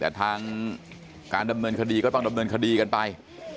แต่ทางการดำเนินคดีก็ต้องดำเนินคดีกันไป